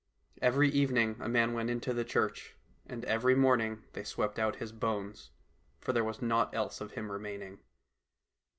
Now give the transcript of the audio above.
Every evening a man went into the church, and every morning they swept out his bones, for there was naught else of him remaining.